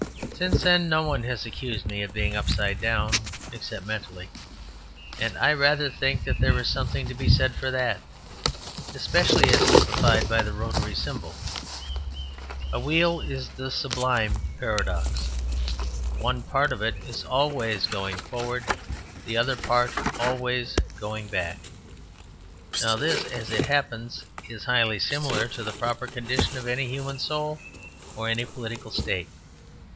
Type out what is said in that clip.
Since then no one has accused me of being upside down except mentally: and I rather think that there is something to be said for that; especially as typified by the rotary symbol. A wheel is the sublime paradox; one part of it is always going forward and the other part always going back. Now this, as it happens, is highly similar to the proper condition of any human soul or any political state.